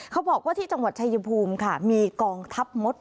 เขาบอกว่าที่จังหวัดชายภูมิค่ะมีกองทัพมด